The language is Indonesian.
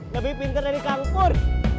lebih pinter dari kang pur